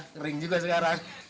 kering juga sekarang